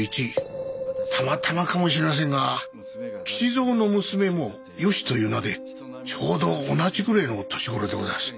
たまたまかもしれませんが吉蔵の娘もよしという名でちょうど同じぐれえの年頃でございます。